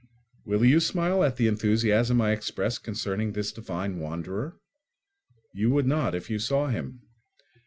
Will you smile at the enthusiasm I express concerning this divine wanderer? You would not if you saw him.